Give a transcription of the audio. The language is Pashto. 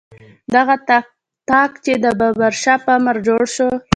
دغه طاق چې د بابر شاه په امر جوړ شو.